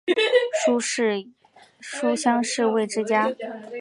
书香世胄之家。